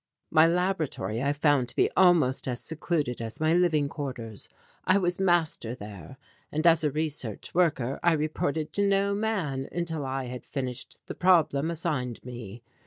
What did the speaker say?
My laboratory I found to be almost as secluded as my living quarters. I was master there, and as a research worker I reported to no man until I had finished the problem assigned me.